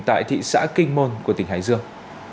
tại thị xã kinh môn của tỉnh hải dương